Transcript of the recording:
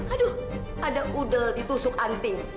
aduh ada udel ditusuk anting